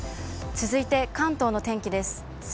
続いて関東の天気です。